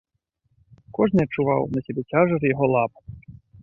Кожны адчуваў на сабе цяжар яго лапы.